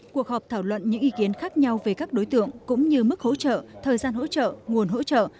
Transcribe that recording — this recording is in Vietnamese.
cuộc họp thảo luận những ý kiến khác nhau về các đối tượng cũng như mức hỗ trợ thời gian hỗ trợ nguồn hỗ trợ